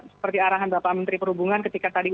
seperti arahan bapak menteri perhubungan ketika tadi